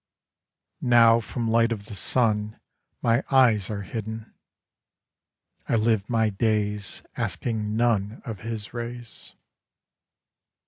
IV. N OW from light of the sun My eyes are hidden : I live my days Asking none of his rays.